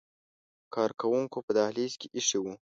کارکوونکو په دهلیز کې ایښي وو.